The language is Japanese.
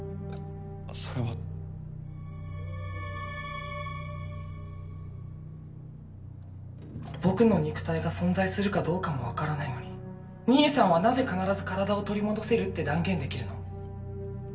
それは僕の肉体が存在するかどうかも分からないのに兄さんはなぜ必ず体を取り戻せるって断言できるの？